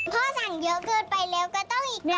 พ่อสั่งเยอะเกิดไปแล้วก็ต้องอีกกันนึงใหญ่กัน